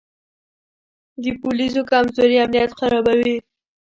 د پولیسو کمزوري امنیت خرابوي.